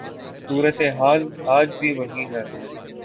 صورت حال آج بھی وہی ہے۔